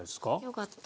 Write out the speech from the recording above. よかった。